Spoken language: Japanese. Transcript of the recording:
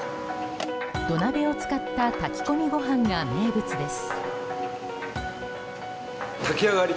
土鍋を使った炊き込みご飯が名物です。